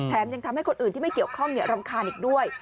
ยังทำให้คนอื่นที่ไม่เกี่ยวข้องรำคาญอีกด้วย